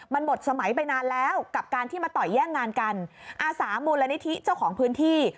มันหมดสมัยไปนานแล้วกับการที่มาต่อยแย่งงานกันอาสามูลนิธิเจ้าของพื้นที่